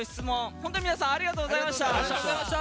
本当に皆さんありがとうございました。